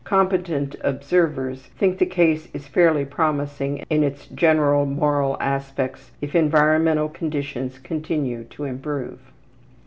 Competent observers think the case is fairly promising in its general moral aspects if environmental conditions continue to improve.